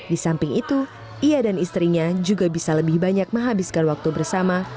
di samping itu ia dan istrinya juga bisa lebih banyak menghabiskan waktu bersama